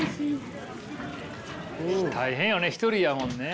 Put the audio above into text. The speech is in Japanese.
大変よね一人やもんね。